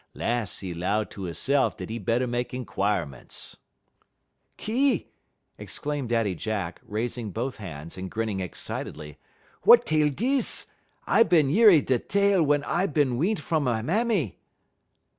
'Las' he low ter hisse'f dat he better make inquirements " "Ki!" exclaimed Daddy Jack, raising both hands and grinning excitedly, "wut tale dis? I bin yerry da tale wun I is bin wean't fum me mammy."